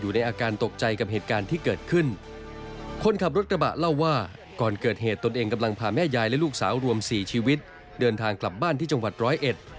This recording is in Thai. เดินทางกลับบ้านที่จังหวัดร้อยเอ็ด